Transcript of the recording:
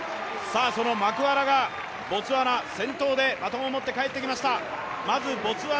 そのマクワラが、ボツワナ先頭でバトンを持って帰ってきました。